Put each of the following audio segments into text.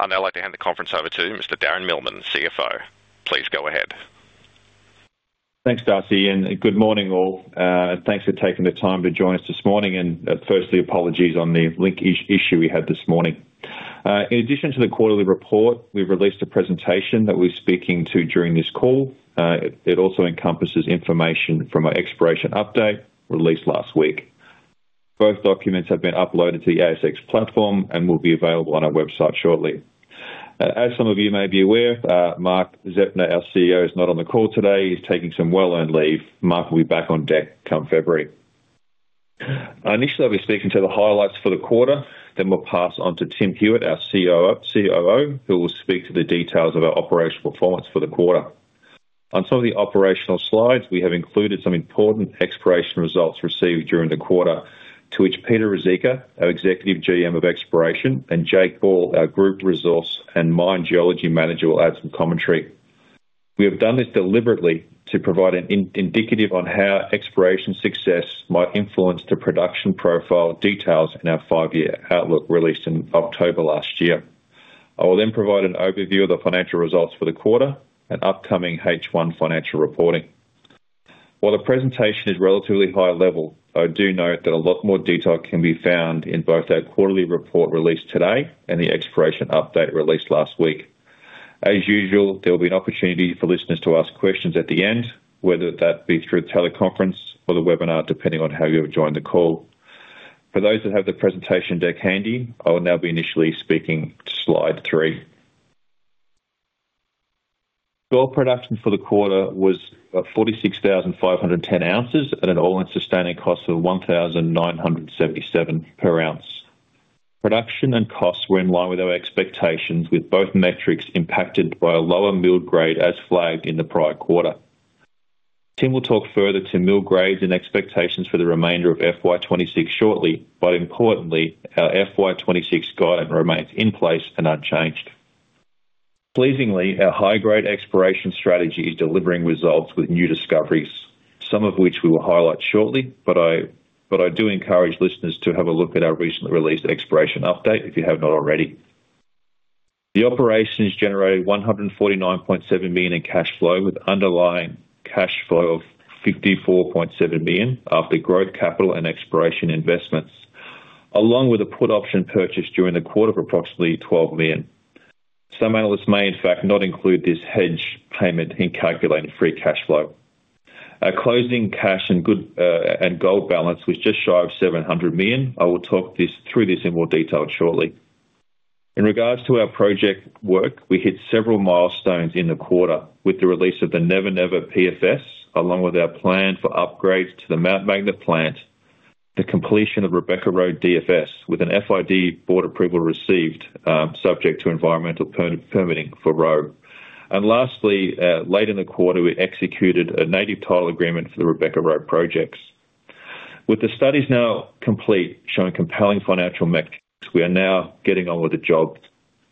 I'd now like to hand the conference over to Mr. Darren Millman, CFO. Please go ahead. Thanks, Darcy, and good morning, all. And thanks for taking the time to join us this morning, and, firstly, apologies on the link issue we had this morning. In addition to the quarterly report, we've released a presentation that we're speaking to during this call. It also encompasses information from our exploration update released last week. Both documents have been uploaded to the ASX platform and will be available on our website shortly. As some of you may be aware, Mark Zeppner, our CEO, is not on the call today. He's taking some well-earned leave. Mark will be back on deck come February. Initially, I'll be speaking to the highlights for the quarter, then we'll pass on to Tim Blyth, our COO, who will speak to the details of our operational performance for the quarter. On some of the operational slides, we have included some important exploration results received during the quarter, to which Peter Ruzicka, our Executive GM of Exploration, and Jake Ball, our Group Resource and Mine Geology Manager, will add some commentary. We have done this deliberately to provide an indicative on how exploration success might influence the production profile details in our five-year outlook, released in October last year. I will then provide an overview of the financial results for the quarter and upcoming H1 financial reporting. While the presentation is relatively high-level, I do note that a lot more detail can be found in both our quarterly report released today and the exploration update released last week. As usual, there will be an opportunity for listeners to ask questions at the end, whether that be through the teleconference or the webinar, depending on how you have joined the call. For those that have the presentation deck handy, I will now be initially speaking to slide 3. Gold production for the quarter was 46,510 ounces at an All-in Sustaining Cost of 1,977 per ounce. Production and costs were in line with our expectations, with both metrics impacted by a lower milled grade, as flagged in the prior quarter. Tim will talk further to mill grades and expectations for the remainder of FY 2026 shortly, but importantly, our FY 2026 guide remains in place and unchanged. Pleasingly, our high-grade exploration strategy is delivering results with new discoveries, some of which we will highlight shortly, but I, but I do encourage listeners to have a look at our recently released exploration update, if you have not already. The operations generated AUD 149.7 million in cash flow, with underlying cash flow of AUD 54.7 million after growth, capital, and exploration investments, along with a put option purchase during the quarter of approximately 12 million. Some analysts may, in fact, not include this hedge payment in calculating free cash flow. Our closing cash and gold balance was just shy of 700 million. I will talk this through in more detail shortly. In regards to our project work, we hit several milestones in the quarter with the release of the Never Never PFS, along with our plan for upgrades to the Mount Magnet plant, the completion of Rebecca Roe DFS with an FID board approval received, subject to environmental permitting for Roe. Lastly, late in the quarter, we executed a native title agreement for the Rebecca Roe projects. With the studies now complete, showing compelling financial metrics, we are now getting on with the job,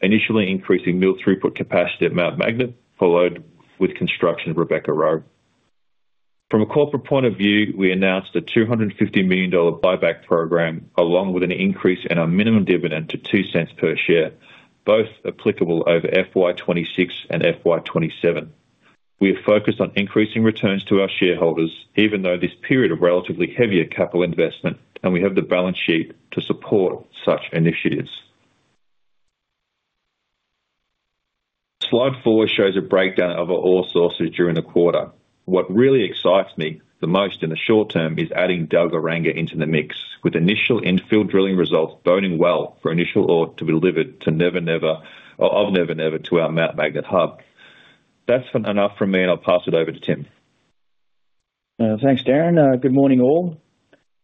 initially increasing mill throughput capacity at Mount Magnet, followed with construction of Rebecca Roe. From a corporate point of view, we announced a 250 million dollar buyback program, along with an increase in our minimum dividend to 0.02 per share, both applicable over FY 2026 and FY 2027. We are focused on increasing returns to our shareholders, even though this period of relatively heavier capital investment, and we have the balance sheet to support such initiatives. Slide 4 shows a breakdown of our ore sources during the quarter. What really excites me the most in the short term is adding Dalgaranga into the mix, with initial infill drilling results boding well for initial ore to be delivered to Never Never, of Never Never to our Mount Magnet hub. That's enough from me, and I'll pass it over to Tim. Thanks, Darren. Good morning, all.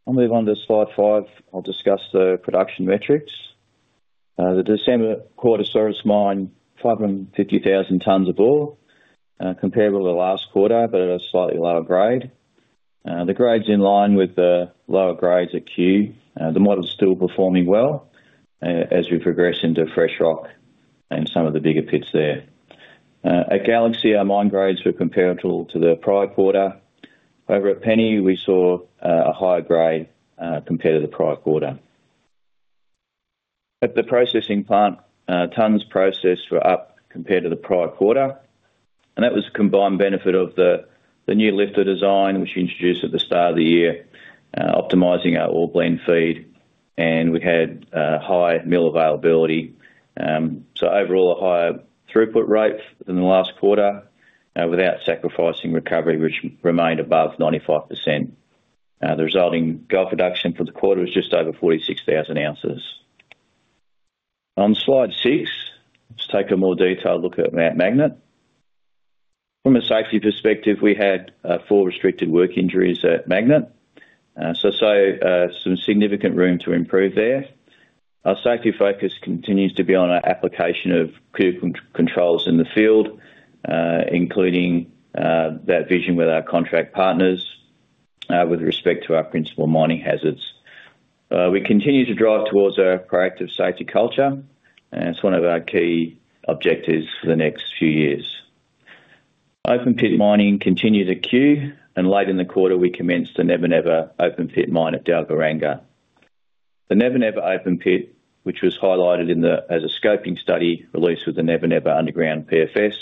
I'll move on to slide 5. I'll discuss the production metrics. The December quarter saw us mine 550,000 tons of ore, comparable to last quarter, but at a slightly lower grade. The grade's in line with the lower grades at Cue. The model's still performing well, as we progress into fresh rock and some of the bigger pits there. At Galaxy, our mine grades were comparable to the prior quarter. Over at Penny, we saw a higher grade compared to the prior quarter. At the processing plant, tons processed were up compared to the prior quarter, and that was a combined benefit of the new lifter design, which introduced at the start of the year, optimizing our ore blend feed, and we had high mill availability. So overall, a higher throughput rate than the last quarter, without sacrificing recovery, which remained above 95%. The resulting gold production for the quarter was just over 46,000 ounces. On Slide 6, let's take a more detailed look at Mount Magnet. From a safety perspective, we had four restricted work injuries at Magnet, so some significant room to improve there. Our safety focus continues to be on our application of critical controls in the field, including that vision with our contract partners, with respect to our principal mining hazards. We continue to drive towards a proactive safety culture, and it's one of our key objectives for the next few years.... Open pit mining continued at Cue, and late in the quarter, we commenced the Never Never open pit mine at Dalgaranga. The Never Never open pit, which was highlighted in the A scoping study released with the Never Never underground PFS,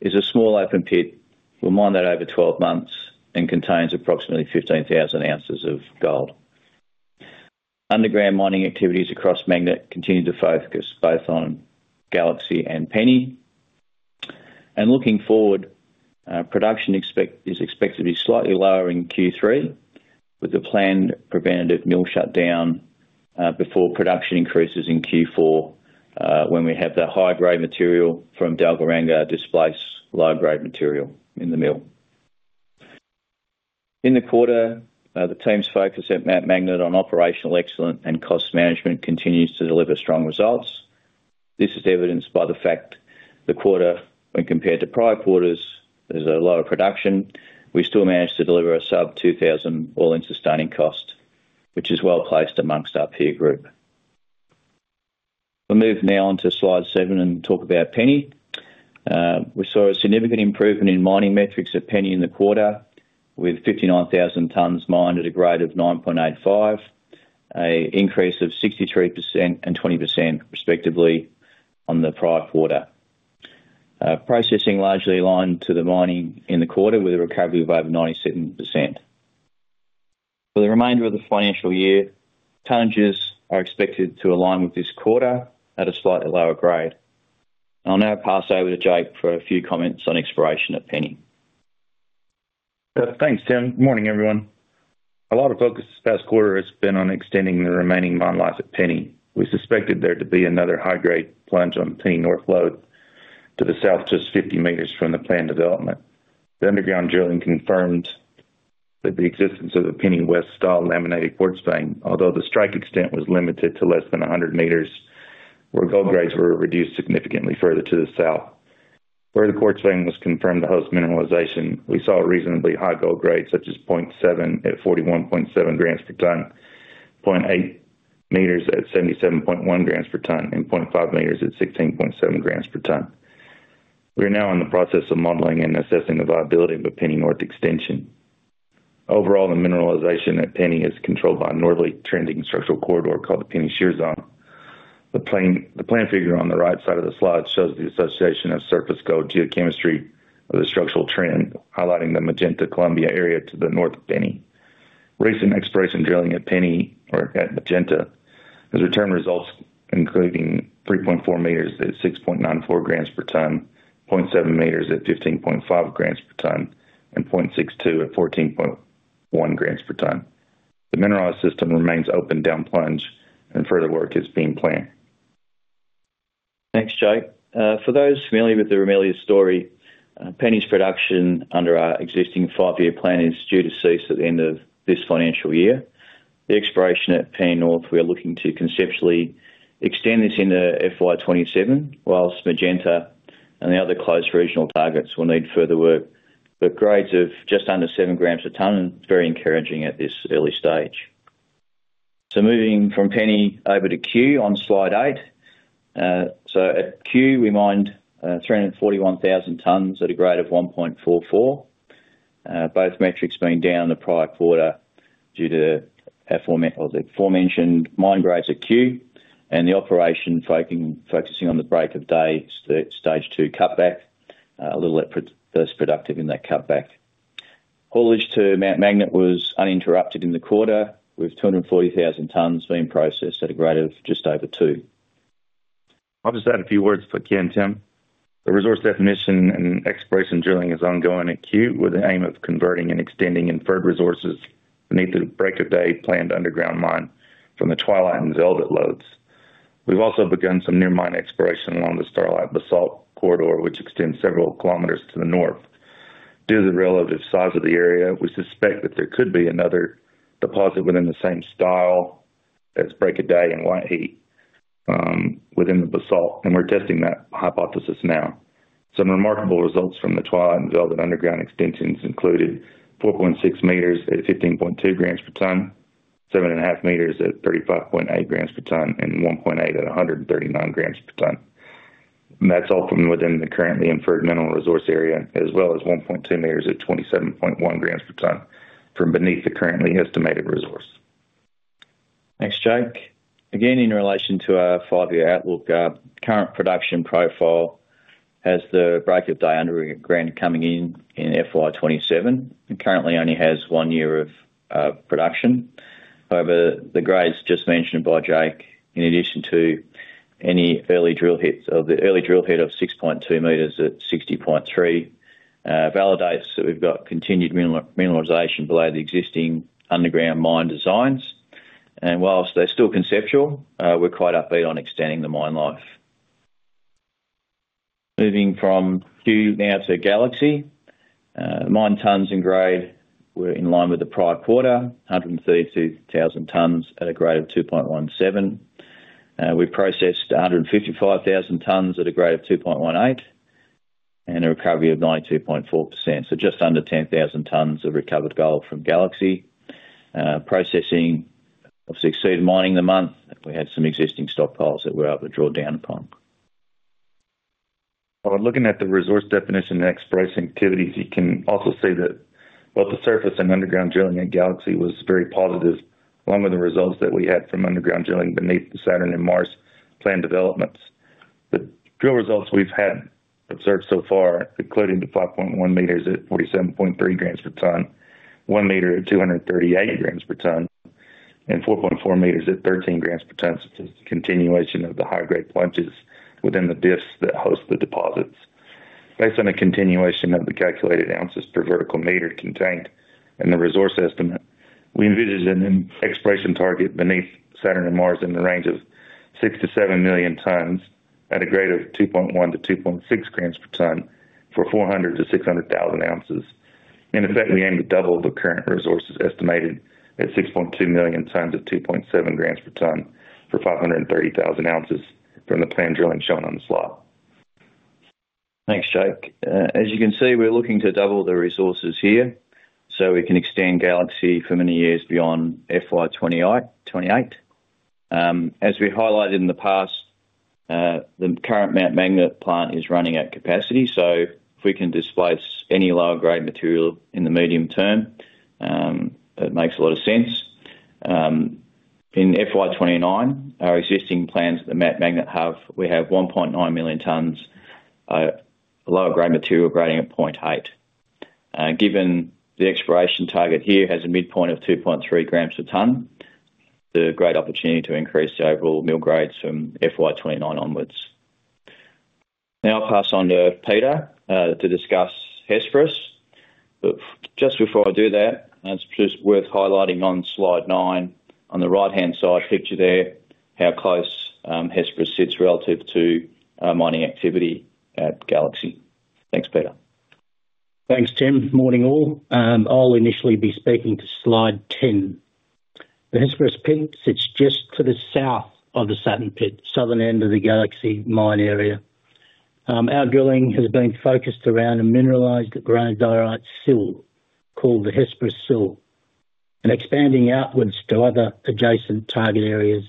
is a small open pit. We'll mine that over 12 months and contains approximately 15,000 ounces of gold. Underground mining activities across Mount Magnet continue to focus both on Galaxy and Penny. Looking forward, production is expected to be slightly lower in Q3, with a planned preventative mill shutdown, before production increases in Q4, when we have the high-grade material from Dalgaranga displace low-grade material in the mill. In the quarter, the team's focus at Mount Magnet on operational excellence and cost management continues to deliver strong results. This is evidenced by the fact the quarter, when compared to prior quarters, there's a lower production. We still managed to deliver a sub-AUD 2,000 all-in sustaining cost, which is well-placed amongst our peer group. We'll move now on to slide 7 and talk about Penny. We saw a significant improvement in mining metrics at Penny in the quarter, with 59,000 tons mined at a grade of 9.85, an increase of 63% and 20% respectively on the prior quarter. Processing largely aligned to the mining in the quarter, with a recovery of over 97%. For the remainder of the financial year, challenges are expected to align with this quarter at a slightly lower grade. I'll now pass over to Jake for a few comments on exploration at Penny. Thanks, Tim. Morning, everyone. A lot of focus this past quarter has been on extending the remaining mine life at Penny. We suspected there to be another high-grade plunge on Penny North lode to the south, just 50 meters from the planned development. The underground drilling confirmed that the existence of a Penny West style laminated quartz vein, although the strike extent was limited to less than 100 meters, where gold grades were reduced significantly further to the south. Where the quartz vein was confirmed to host mineralization, we saw reasonably high gold grades, such as 0.7 at 41.7 grams per ton, 0.8 meters at 77.1 grams per ton, and 0.5 meters at 16.7 grams per ton. We are now in the process of modeling and assessing the viability of a Penny North extension. Overall, the mineralization at Penny is controlled by a northerly trending structural corridor called the Penny Shear Zone. The plan figure on the right side of the slide shows the association of surface gold geochemistry of the structural trend, highlighting the Magenta/Columbia area to the north of Penny. Recent exploration drilling at Penny or at Magenta has returned results including 3.4 meters at 6.94 grams per ton, 0.7 meters at 15.5 grams per ton, and 0.62 at 14.1 grams per ton. The mineralized system remains open down plunge, and further work is being planned. Thanks, Jake. For those familiar with the Ramelius story, Penny's production under our existing five-year plan is due to cease at the end of this financial year. The exploration at Penny North, we are looking to conceptually extend this into FY 2027, whilst Magenta and the other close regional targets will need further work. But grades of just under 7 grams a ton, very encouraging at this early stage. So moving from Penny over to Cue on slide 8. So at Cue, we mined 341,000 tons at a grade of 1.44. Both metrics being down in the prior quarter due to the aforementioned mine grades at Cue and the operation focusing on the Break of Day stage 2 cutback, a little at first productive in that cutback. Haulage to Mount Magnet was uninterrupted in the quarter, with 240,000 tons being processed at a grade of just over 2. I'll just add a few words for Q, Tim. The resource definition and exploration drilling is ongoing at Q, with the aim of converting and extending inferred resources beneath the Break of Day planned underground mine from the Twilight and Velvet lodes. We've also begun some near mine exploration along the Starlight Basalt corridor, which extends several kilometers to the north. Due to the relative size of the area, we suspect that there could be another deposit within the same style as Break of Day and White Heat within the basalt, and we're testing that hypothesis now. Some remarkable results from the Twilight and Velvet underground extensions included 4.6 meters at 15.2 grams per ton, 7.5 meters at 35.8 grams per ton, and 1.8 meters at 139 grams per ton. And that's all from within the currently inferred mineral resource area, as well as 1.2 meters at 27.1 grams per ton from beneath the currently estimated resource. Thanks, Jake. Again, in relation to our five-year outlook, current production profile has the Break of Day underground coming in in FY 2027, and currently only has one year of production. However, the grades just mentioned by Jake, in addition to any early drill hits, of the early drill hit of 6.2 meters at 60.3, validates that we've got continued mineral, mineralization below the existing underground mine designs. And whilst they're still conceptual, we're quite upbeat on extending the mine life. Moving from Cue now to Galaxy. Mine tons and grade were in line with the prior quarter, 132,000 tons at a grade of 2.17. We processed 155,000 tons at a grade of 2.18, and a recovery of 92.4%. Just under 10,000 tons of recovered gold from Galaxy. Processing obviously exceeded mining the month, and we had some existing stockpiles that we were able to draw down upon. While looking at the resource definition and exploration activities, you can also see that both the surface and underground drilling at Galaxy was very positive, along with the results that we had from underground drilling beneath the Saturn and Mars plant developments. The drill results we've had observed so far, including the 5.1 meters at 47.3 grams per ton, 1 meter at 238 grams per ton, and 4.4 meters at 13 grams per ton, continuation of the high-grade plunges within the discs that host the deposits. Based on a continuation of the calculated ounces per vertical meter contained in the resource estimate, we envisioned an exploration target beneath Saturn and Mars in the range of 6-7 million tons at a grade of 2.1-2.6 grams per ton for 400,000-600,000 ounces. In effect, we aim to double the current resources estimated at 6.2 million tons at 2.7 grams per ton for 530,000 ounces from the planned drilling shown on the slide. Thanks, Jake. As you can see, we're looking to double the resources here so we can extend Galaxy for many years beyond FY 2028. As we highlighted in the past, the current Mount Magnet plant is running at capacity, so if we can displace any lower-grade material in the medium term, that makes a lot of sense. In FY 2029, our existing plans at the Mount Magnet hub, we have 1.9 million tons lower-grade material grading at 0.8. Given the exploration target here has a midpoint of 2.3 grams a ton, the great opportunity to increase the overall mill grades from FY 2029 onwards. Now I'll pass on to Peter to discuss Hesperus. But just before I do that, it's just worth highlighting on slide nine, on the right-hand side picture there, how close Hesperus sits relative to mining activity at Galaxy. Thanks, Peter. Thanks, Tim. Morning, all. I'll initially be speaking to slide ten. The Hesperus Pit sits just to the south of the Saturn pit, southern end of the Galaxy mine area. Our drilling has been focused around a mineralized granodiorite sill called the Hesperus Sill, and expanding outwards to other adjacent target areas.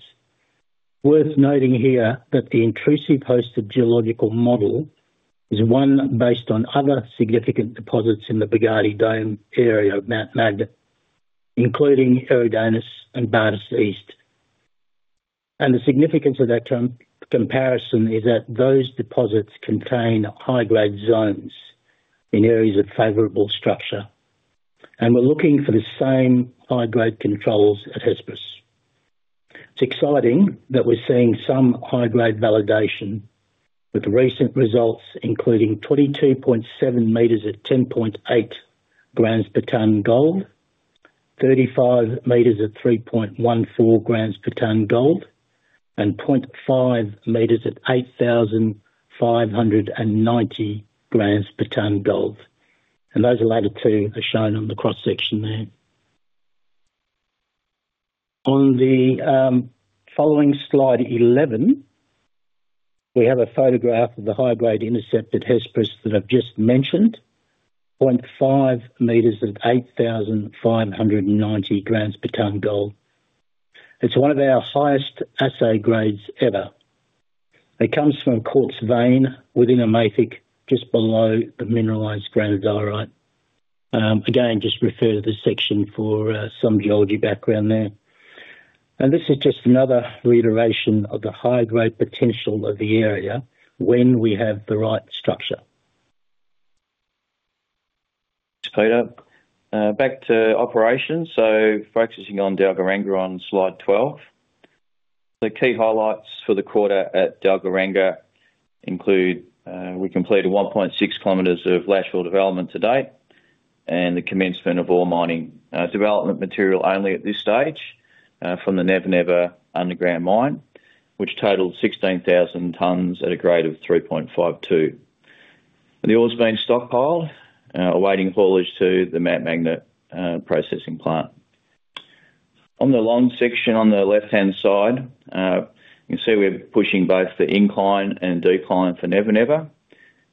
Worth noting here that the intrusive hosted geological model is one based on other significant deposits in the Boogardie Dome area of Mount Magnet, including Eridanus and Bartus East. And the significance of that comparison is that those deposits contain high-grade zones in areas of favorable structure, and we're looking for the same high-grade controls at Hesperus. It's exciting that we're seeing some high-grade validation with recent results, including 22.7 meters at 10.8 grams per ton gold, 35 meters at 3.14 grams per ton gold, and 0.5 meters at 8,590 grams per ton gold. And those latter two are shown on the cross-section there. On the following slide 11, we have a photograph of the high-grade intercept at Hesperus that I've just mentioned, 0.5 meters at 8,590 grams per ton gold. It's one of our highest assay grades ever. It comes from quartz vein within a mafic, just below the mineralized granodiorite. Again, just refer to this section for some geology background there. And this is just another reiteration of the high-grade potential of the area when we have the right structure. Thanks, Peter. Back to operations, so focusing on Dalgaranga on slide 12. The key highlights for the quarter at Dalgaranga include, we completed 1.6 kilometers of lateral development to date and the commencement of ore mining, development material only at this stage, from the Never Never underground mine, which totaled 16,000 tons at a grade of 3.52. The ore's being stockpiled, awaiting haulage to the Mount Magnet processing plant. On the long section on the left-hand side, you can see we're pushing both the incline and decline for Never Never,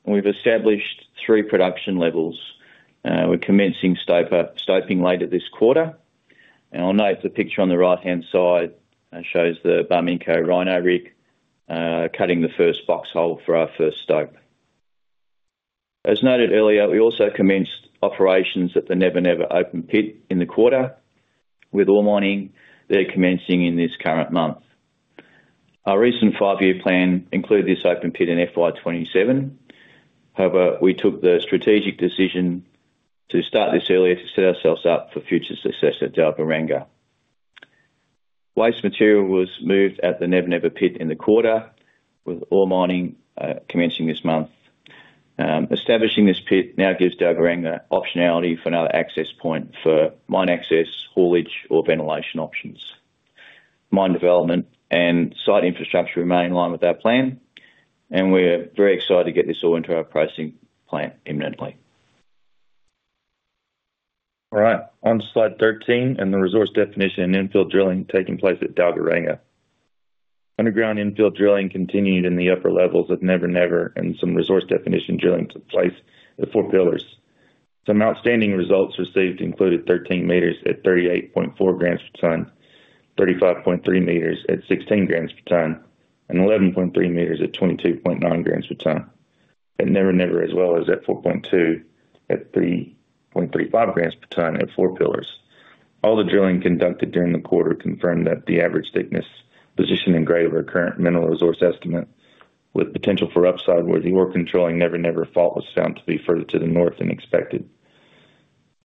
and we've established three production levels. We're commencing stoping late in this quarter. And I'll note the picture on the right-hand side shows the Barminco Rhino Rig cutting the first box hole for our first stope. As noted earlier, we also commenced operations at the Never Never open pit in the quarter, with ore mining that are commencing in this current month. Our recent five-year plan included this open pit in FY 2027. However, we took the strategic decision to start this earlier to set ourselves up for future success at Dalgaranga. Waste material was moved at the Never Never pit in the quarter, with ore mining commencing this month. Establishing this pit now gives Dalgaranga optionality for another access point for mine access, haulage, or ventilation options. Mine development and site infrastructure remain in line with our plan, and we're very excited to get this all into our processing plant imminently. All right, on to slide 13, and the resource definition and infill drilling taking place at Dalgaranga.... Underground infill drilling continued in the upper levels of Never Never, and some resource definition drilling took place at Four Pillars. Some outstanding results received included 13 meters at 38.4 grams per ton, 35.3 meters at 16 grams per ton, and 11.3 meters at 22.9 grams per ton. At Never Never, as well as at 4.2, at 3.35 grams per ton at Four Pillars. All the drilling conducted during the quarter confirmed that the average thickness, position, and grade of our current mineral resource estimate, with potential for upside, where the ore controlling Never Never fault was found to be further to the north than expected.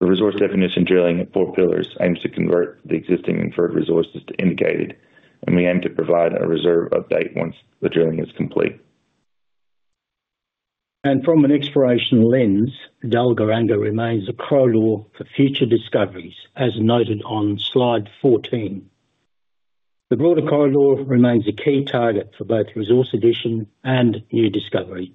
The resource definition drilling at Four Pillars aims to convert the existing Inferred Resources to indicated, and we aim to provide a reserve update once the drilling is complete. From an exploration lens, Dalgaranga remains a corridor for future discoveries, as noted on slide 14. The broader corridor remains a key target for both resource addition and new discovery.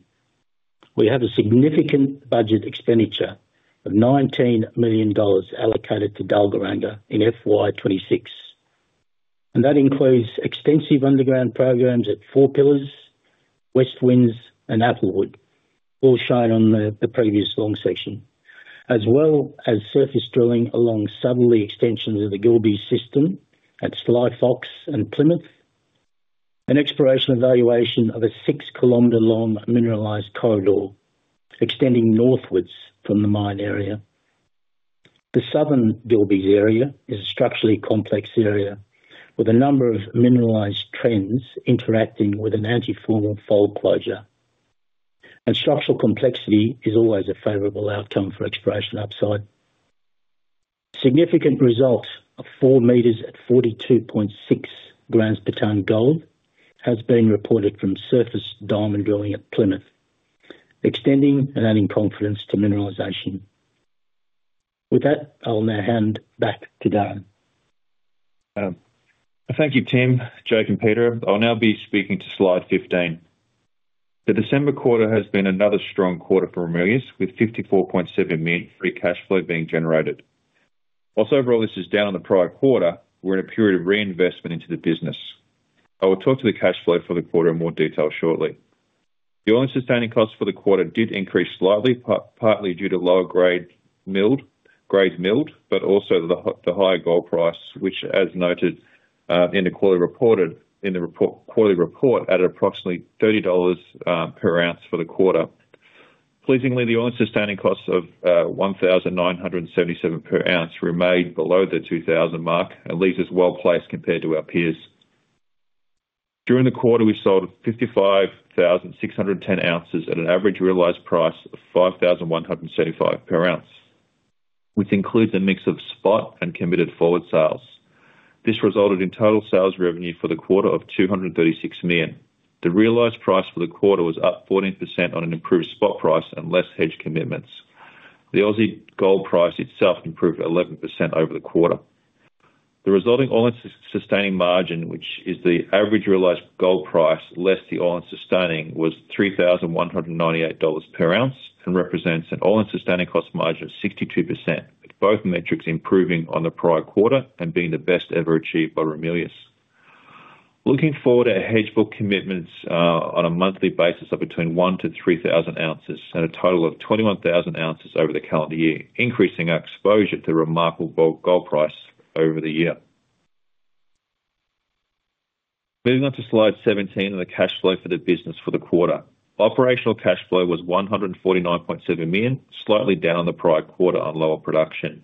We have a significant budget expenditure of 19 million dollars allocated to Dalgaranga in FY 2026, and that includes extensive underground programs at Four Pillars, West Winds, and Applewood, all shown on the previous long section. As well as surface drilling along southerly extensions of the Gilbey's system at Sly Fox and Plymouth. An exploration evaluation of a 6-kilometer long mineralized corridor extending northwards from the mine area. The southern Gilbey's area is a structurally complex area with a number of mineralized trends interacting with an antiformal fold closure. Structural complexity is always a favorable outcome for exploration upside. Significant results of 4 meters at 42.6 grams per ton gold has been reported from surface diamond drilling at Plymouth, extending and adding confidence to mineralization. With that, I'll now hand back to Dan. Thank you, Tim, Jake, and Peter. I'll now be speaking to slide 15. The December quarter has been another strong quarter for Ramelius, with 54.7 million free cash flow being generated. While overall, this is down on the prior quarter, we're in a period of reinvestment into the business. I will talk to the cash flow for the quarter in more detail shortly. The all-in sustaining costs for the quarter did increase slightly, partly due to lower grades milled, but also the higher gold price, which, as noted, in the quarterly report, at approximately 30 dollars per ounce for the quarter. Pleasingly, the all-in sustaining costs of 1,977 per ounce remained below the 2,000 mark and leaves us well-placed compared to our peers. During the quarter, we sold 55,610 ounces at an average realized price of 5,175 per ounce, which includes a mix of spot and committed forward sales. This resulted in total sales revenue for the quarter of 236 million. The realized price for the quarter was up 14% on an improved spot price and less hedged commitments. The Aussie gold price itself improved 11% over the quarter. The resulting all-in sustaining margin, which is the average realized gold price, less the all-in sustaining, was 3,198 dollars per ounce, and represents an all-in sustaining cost margin of 62%, with both metrics improving on the prior quarter and being the best ever achieved by Ramelius. Looking forward, our hedge book commitments on a monthly basis are between 1,000 to 3,000 ounces and a total of 21,000 ounces over the calendar year, increasing our exposure to remarkable gold, gold price over the year. Moving on to slide 17 and the cash flow for the business for the quarter. Operational cash flow was 149.7 million, slightly down on the prior quarter on lower production.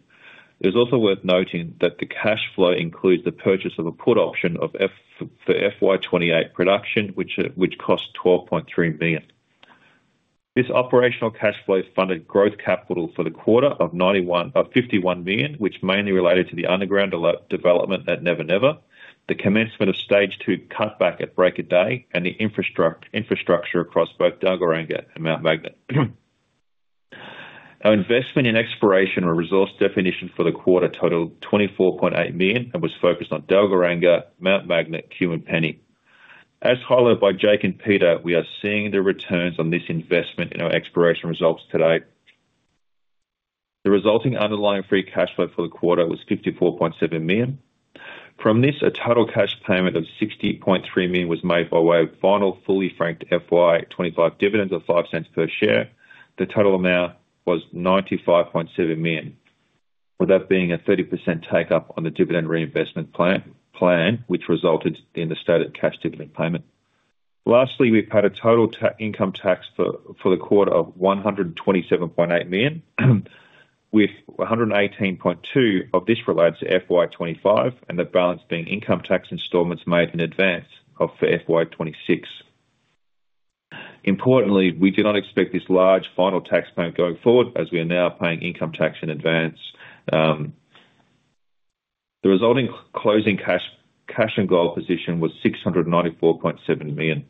It is also worth noting that the cash flow includes the purchase of a put option for FY 2028 production, which cost AUD 12.3 million. This operational cash flow funded growth capital for the quarter of 91.51 million, which mainly related to the underground development at Never Never, the commencement of stage two cutback at Break of Day, and the infrastructure across both Dalgaranga and Mount Magnet. Our investment in exploration or resource definition for the quarter totaled 24.8 million and was focused on Dalgaranga, Mount Magnet, and Penny. As highlighted by Jake and Peter, we are seeing the returns on this investment in our exploration results today. The resulting underlying free cash flow for the quarter was 54.7 million. From this, a total cash payment of 60.3 million was made by way of final fully franked FY 2025 dividends of 0.05 per share. The total amount was 95.7 million, with that being a 30% take-up on the dividend reinvestment plan, which resulted in the stated cash dividend payment. Lastly, we've paid a total income tax for the quarter of 127.8 million, with 118.2 of this relates to FY 2025, and the balance being income tax installments made in advance of FY 2026. Importantly, we do not expect this large final tax payment going forward as we are now paying income tax in advance. The resulting closing cash and gold position was 694.7 million.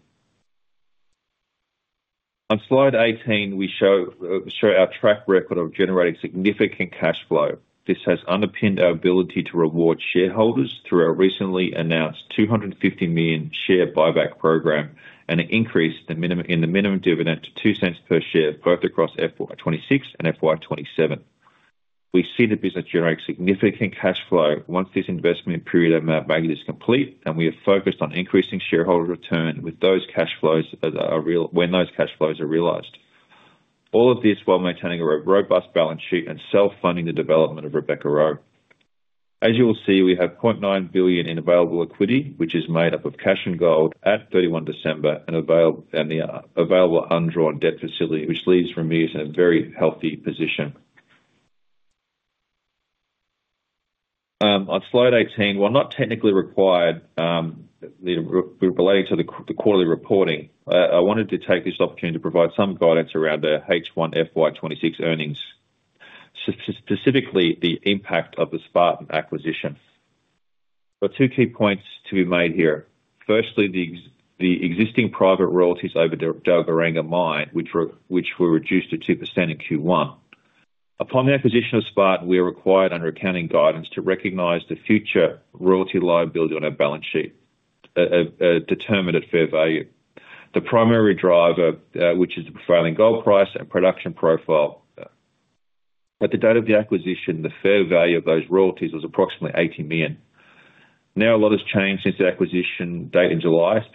On Slide 18, we show our track record of generating significant cash flow. This has underpinned our ability to reward shareholders through our recently announced 250 million share buyback program, and an increase in the minimum dividend to 0.02 per share, both across FY 2026 and FY 2027. We see the business generating significant cash flow once this investment period at Mount Magnet is complete, and we are focused on increasing shareholder return with those cash flows when those cash flows are realized. All of this while maintaining a robust balance sheet and self-funding the development of Rebecca Roe. As you will see, we have 0.9 billion in available equity, which is made up of cash and gold at 31 December, and the available undrawn debt facility, which leaves Ramelius in a very healthy position. On slide 18, while not technically required, regarding the quarterly reporting, I wanted to take this opportunity to provide some guidance around the H1 FY 2026 earnings, specifically the impact of the Spartan acquisition. Two key points to be made here: firstly, the existing private royalties over the Dalgaranga mine, which were reduced to 2% in Q1. Upon the acquisition of Spartan, we are required under accounting guidance to recognize the future royalty liability on our balance sheet, determined at fair value. The primary driver, which is the prevailing gold price and production profile. At the date of the acquisition, the fair value of those royalties was approximately 80 million. Now, a lot has changed since the acquisition date in July.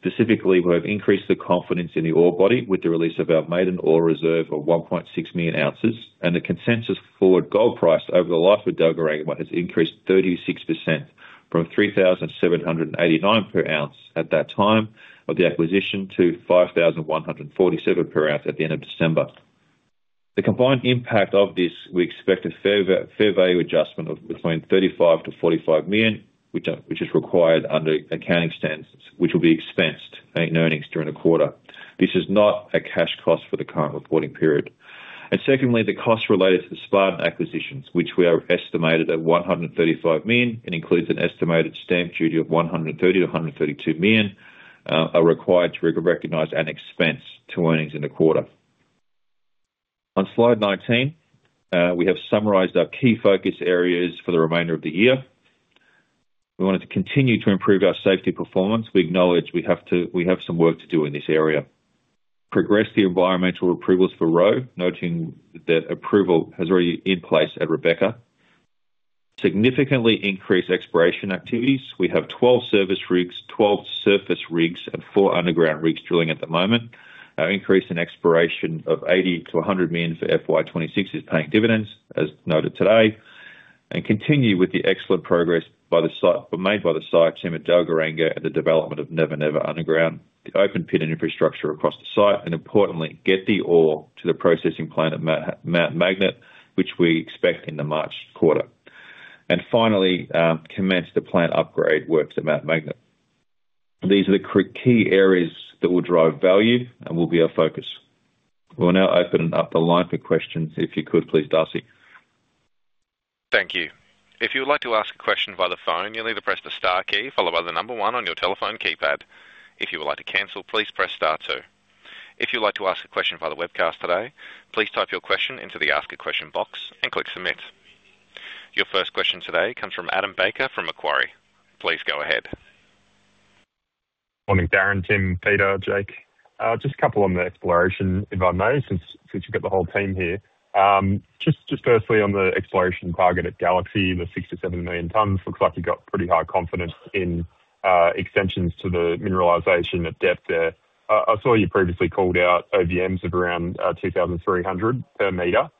Specifically, we've increased the confidence in the ore body with the release of our maiden ore reserve of 1.6 million ounces, and the consensus forward gold price over the life of Dalgaranga has increased 36% from 3,789 per ounce at that time of the acquisition to 5,147 per ounce at the end of December. The combined impact of this, we expect a fair value adjustment of between 35-45 million, which is required under accounting standards, which will be expensed in earnings during the quarter. This is not a cash cost for the current reporting period. Secondly, the costs related to the Spartan acquisitions, which are estimated at 135 million, and includes an estimated stamp duty of 130 million-132 million, are required to re-recognize and expense to earnings in the quarter. On slide 19, we have summarized our key focus areas for the remainder of the year. We want to continue to improve our safety performance. We acknowledge we have to-- we have some work to do in this area. Progress the environmental approvals for Roe, noting that approval is already in place at Rebecca. Significantly increase exploration activities. We have 12 service rigs, 12 surface rigs, and four underground rigs drilling at the moment. Our increase in exploration of 80 million-100 million for FY 2026 is paying dividends, as noted today. Continue with the excellent progress by the site, made by the site team at Dalgaranga and the development of Never Never underground, the open pit and infrastructure across the site, and importantly, get the ore to the processing plant at Mount Magnet, which we expect in the March quarter. And finally, commence the plant upgrade works at Mount Magnet. These are the key areas that will drive value and will be our focus. We'll now open up the line for questions, if you could please, Darcy. Thank you. If you would like to ask a question by the phone, you'll need to press the star key followed by the number one on your telephone keypad. If you would like to cancel, please press star two. If you'd like to ask a question via the webcast today, please type your question into the Ask a Question box and click Submit. Your first question today comes from Adam Baker from Macquarie. Please go ahead. Morning, Darren, Tim, Peter, Jake. Just a couple on the exploration, if I may, since you've got the whole team here. Just firstly, on the exploration target at Galaxy, the 67 million tons, looks like you got pretty high confidence in extensions to the mineralization at depth there. I saw you previously called out OVMs of around 2,300 per meter.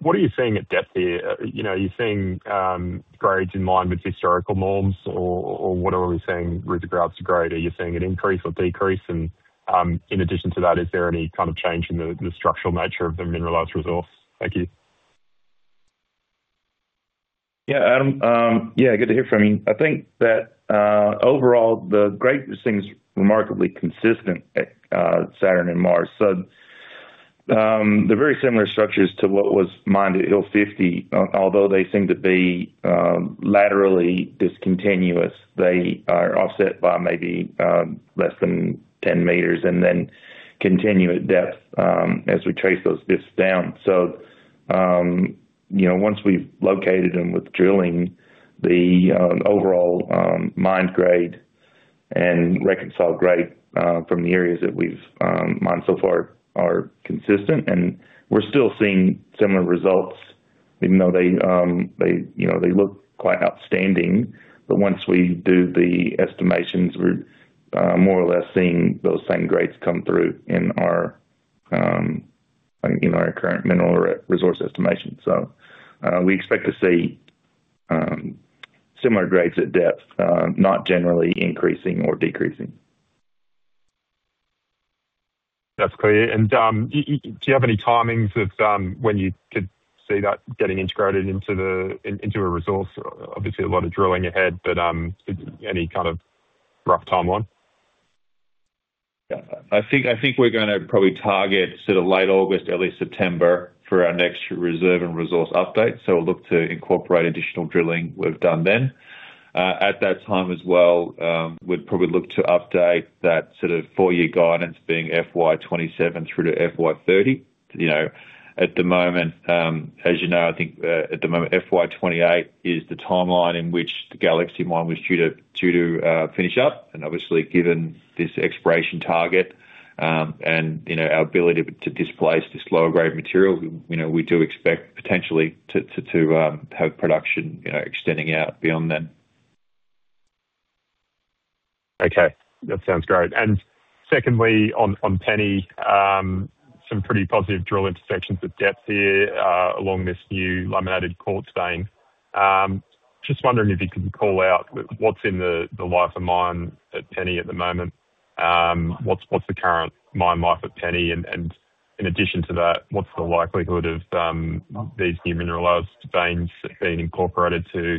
What are you seeing at depth here? You know, are you seeing grades in line with historical norms or what are we seeing with the grades? Are you seeing an increase or decrease? And in addition to that, is there any kind of change in the structural nature of the mineralized resource? Thank you. Yeah, Adam, yeah, good to hear from you. I think that, overall, the grade seems remarkably consistent at, Saturn and Mars. So, they're very similar structures to what was mined at Hill 50, although they seem to be, laterally discontinuous, they are offset by maybe, less than 10 meters and then continue at depth, as we trace those dips down. So, you know, once we've located them with drilling, the, overall, mine grade and reconciled grade, from the areas that we've, mined so far are consistent, and we're still seeing similar results, even though they, they, you know, they look quite outstanding. But once we do the estimations, we're, more or less seeing those same grades come through in our, in our current mineral resource estimation. We expect to see similar grades at depth, not generally increasing or decreasing. That's clear. And, do you have any timings of when you could see that getting integrated into the... in, into a resource? Obviously, a lot of drilling ahead, but any kind of rough timeline? Yeah. I think, I think we're gonna probably target sort of late August, early September for our next reserve and resource update, so we'll look to incorporate additional drilling we've done then. At that time as well, we'd probably look to update that sort of four-year guidance being FY2027 through to FY2030. You know, at the moment, as you know, I think, at the moment, FY2028 is the timeline in which the Galaxy mine was due to finish up. And obviously, given this exploration target... and, you know, our ability to displace this lower grade material, you know, we do expect potentially to have production, you know, extending out beyond that. Okay, that sounds great. And secondly, on Penny, some pretty positive drill intersections of depth here, along this new laminated quartz vein. Just wondering if you could call out what's in the life of mine at Penny at the moment? What's the current mine life at Penny? And in addition to that, what's the likelihood of these new mineralized veins being incorporated to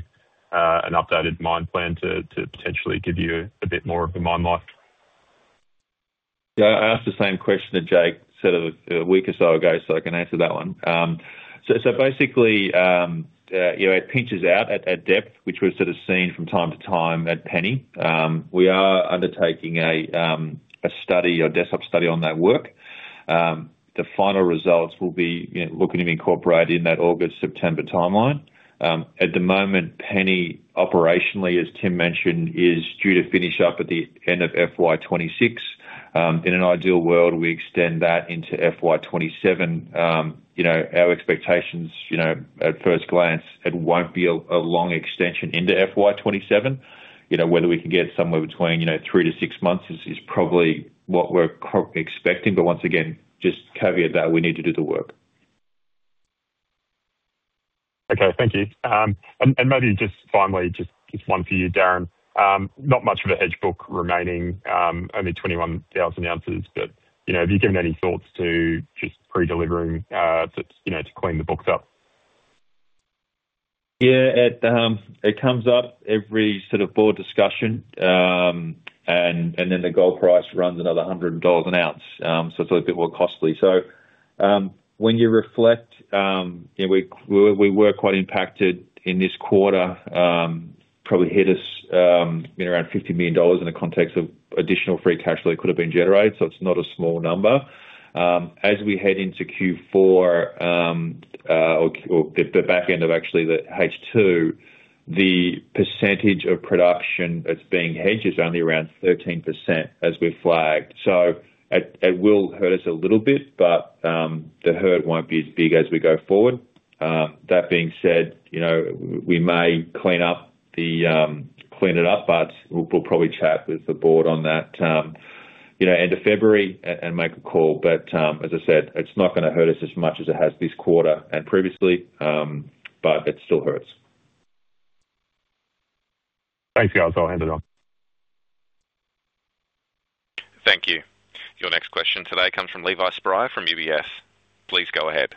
an updated mine plan to potentially give you a bit more of the mine life? Yeah, I asked the same question to Jake, sort of a week or so ago, so I can answer that one. So basically, you know, it pinches out at depth, which we've sort of seen from time to time at Penny. We are undertaking a study, a desktop study on that work. The final results will be, you know, looking to be incorporated in that August, September timeline. At the moment, Penny, operationally, as Tim mentioned, is due to finish up at the end of FY 2026. In an ideal world, we extend that into FY 2027. You know, our expectations, you know, at first glance, it won't be a long extension into FY 2027. You know, whether we can get somewhere between, you know, three to six months is probably what we're currently expecting. But once again, just caveat that we need to do the work. Okay. Thank you. And maybe just finally, just one for you, Darren. Not much of a hedge book remaining, only 21,000 ounces, but you know, have you given any thoughts to just pre-delivering to you know, to clean the books up? Yeah, it, it comes up every sort of board discussion, and, and then the gold price runs another $100 an ounce. So it's a little bit more costly. So, when you reflect, you know, we, we were quite impacted in this quarter, probably hit us, you know, around 50 million dollars in the context of additional free cash flow that could have been generated. So it's not a small number. As we head into Q4, or, or the back end of actually the H2, the percentage of production that's being hedged is only around 13%, as we flagged. So it, it will hurt us a little bit, but, the hurt won't be as big as we go forward. That being said, you know, we may clean it up, but we'll probably chat with the board on that, you know, end of February and make a call. But as I said, it's not gonna hurt us as much as it has this quarter and previously, but it still hurts. Thanks, guys. I'll hand it on. Thank you. Your next question today comes from Levi Spry from UBS. Please go ahead.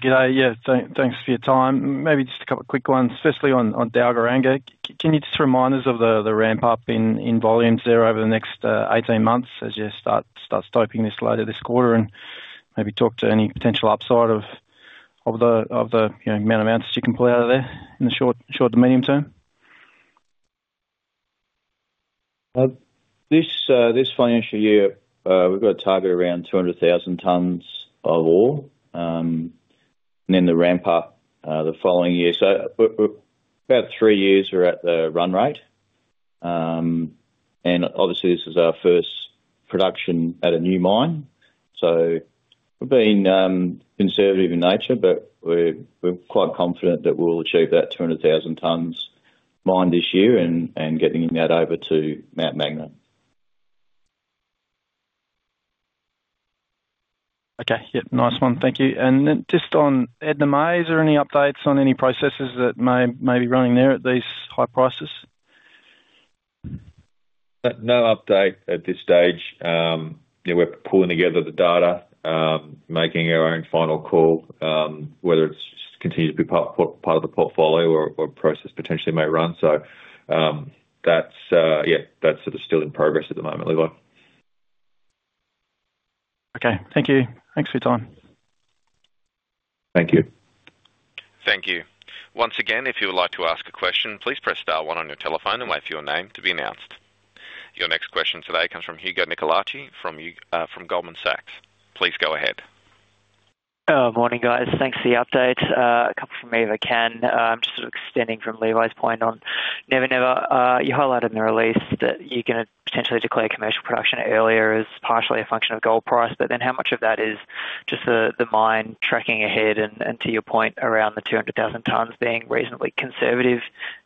Good day. Yeah, thanks for your time. Maybe just a couple of quick ones, firstly, on Dalgaranga. Can you just remind us of the ramp up in volumes there over the next 18 months as you start stoping later this quarter? And maybe talk to any potential upside of the you know amount of ounces you can pull out of there in the short to medium term. This financial year, we've got a target around 200,000 tons of ore, and then the ramp up, the following year. So about three years we're at the run rate. And obviously this is our first production at a new mine, so we're being conservative in nature, but we're quite confident that we'll achieve that 200,000 tons mined this year and getting that over to Mount Magnet. Okay. Yeah, nice one. Thank you. And then just on Edna May, is there any updates on any processes that may, may be running there at these high prices? No update at this stage. Yeah, we're pulling together the data, making our own final call whether it's continue to be part of the portfolio or a process potentially may run. So, that's yeah, that's sort of still in progress at the moment, Levi. Okay. Thank you. Thanks for your time. Thank you. Thank you. Once again, if you would like to ask a question, please press star one on your telephone and wait for your name to be announced. Your next question today comes from Hugo Nicolaci from Goldman Sachs. Please go ahead. Morning, guys. Thanks for the update. A couple from me, if I can. Just sort of extending from Levi's point on Never Never. You highlighted in the release that you're gonna potentially declare commercial production earlier as partially a function of gold price, but then how much of that is just the mine tracking ahead? And to your point, around the 200,000 tons being reasonably conservative,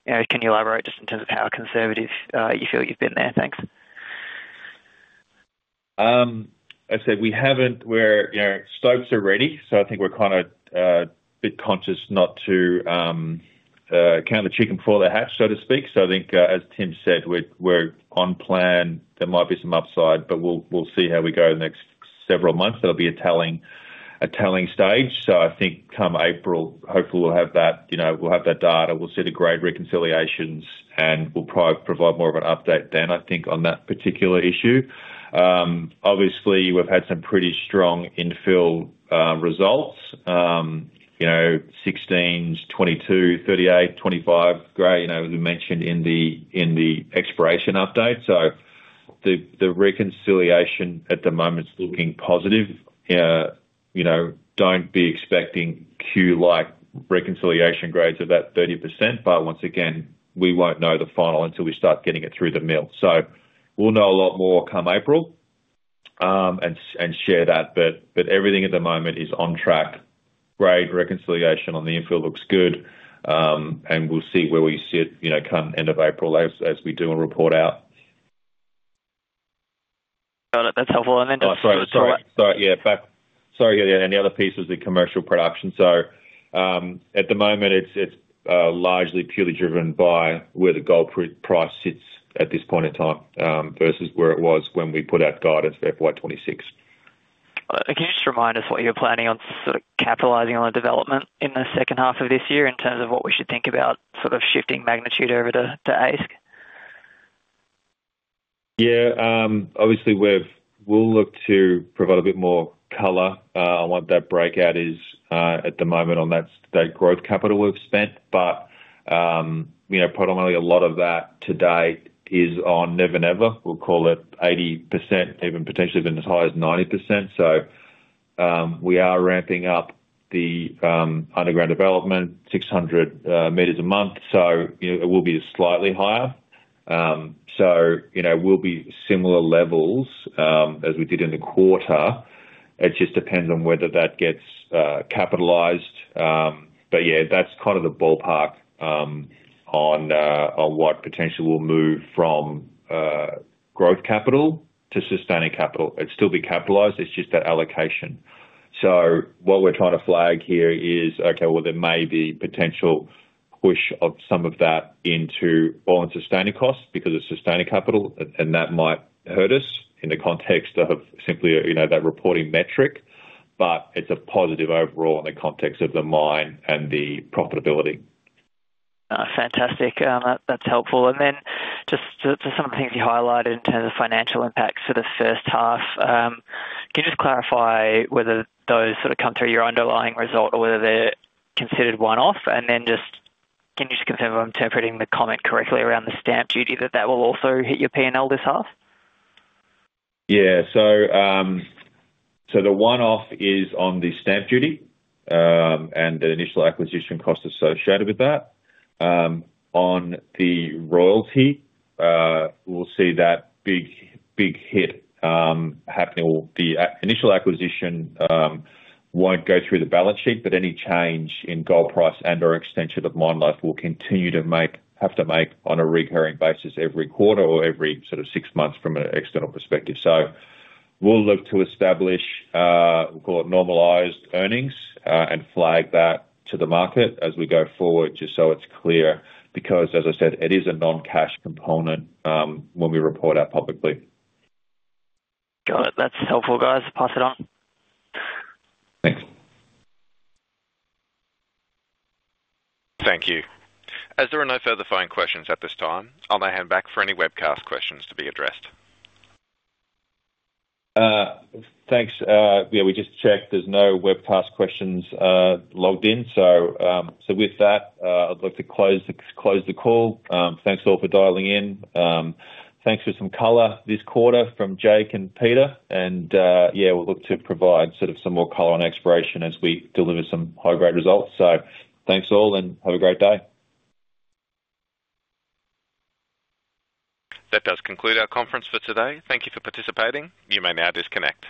you know, can you elaborate just in terms of how conservative you feel you've been there? Thanks. I'd say we haven't-- we're, you know, stopes are ready, so I think we're kind of a bit conscious not to count the chicken before they hatch, so to speak. So I think, as Tim said, we're on plan. There might be some upside, but we'll see how we go the next several months. That'll be a telling stage. So I think come April, hopefully we'll have that, you know, we'll have that data, we'll see the grade reconciliations, and we'll provide more of an update then, I think, on that particular issue. Obviously, we've had some pretty strong infill results. You know, 16s, 22, 38, 25 grade, you know, as we mentioned in the exploration update. The reconciliation at the moment is looking positive. You know, don't be expecting Q-like reconciliation grades of about 30%, but once again, we won't know the final until we start getting it through the mill. So we'll know a lot more come April, and share that, but, but everything at the moment is on track. Grade reconciliation on the infill looks good, and we'll see where we sit, you know, come end of April as we do a report out. Got it. That's helpful. And then- Oh, sorry. Sorry. Sorry. Yeah, sorry, and the other piece is the commercial production. So, at the moment, it's largely purely driven by where the gold price sits at this point in time, versus where it was when we put out guidance for FY 2026. Can you just remind us what you're planning on sort of capitalizing on the development in the second half of this year in terms of what we should think about, sort of shifting magnitude over to, to AISC? Yeah. Obviously, we've-- we'll look to provide a bit more color on what that breakout is, at the moment on that state growth capital we've spent. But, you know, predominantly a lot of that today is on Never Never. We'll call it 80%, even potentially been as high as 90%. So, we are ramping up the, underground development, 600 meters a month, so, you know, it will be slightly higher. So, you know, we'll be similar levels, as we did in the quarter. It just depends on whether that gets, capitalized. But yeah, that's kind of the ballpark, on, on what potentially will move from, growth capital to sustaining capital. It's still be capitalized, it's just that allocation. So what we're trying to flag here is, okay, well, there may be potential push of some of that into All-in Sustaining Costs because it's sustaining capital, and that might hurt us in the context of simply, you know, that reporting metric, but it's a positive overall in the context of the mine and the profitability. Fantastic. That's helpful. And then just to some of the things you highlighted in terms of financial impacts for the first half, can you just clarify whether those sort of come through your underlying result or whether they're considered one-off? And then just, can you just confirm if I'm interpreting the comment correctly around the stamp duty, that that will also hit your PNL this half? Yeah. So, so the one-off is on the stamp duty, and the initial acquisition cost associated with that. On the royalty, we'll see that big, big hit, happening. The initial acquisition won't go through the balance sheet, but any change in gold price and/or extension of mine life will continue to make, have to make on a recurring basis, every quarter or every sort of six months from an external perspective. So we'll look to establish, we'll call it normalized earnings, and flag that to the market as we go forward, just so it's clear, because as I said, it is a non-cash component, when we report out publicly. Got it. That's helpful, guys. Pass it on. Thanks. Thank you. As there are no further phone questions at this time, I'll now hand back for any webcast questions to be addressed. Thanks. Yeah, we just checked. There's no webcast questions logged in. So, with that, I'd like to close the call. Thanks all for dialing in. Thanks for some color this quarter from Jake and Peter and, yeah, we'll look to provide sort of some more color on exploration as we deliver some high-grade results. So thanks all and have a great day. That does conclude our conference for today. Thank you for participating. You may now disconnect.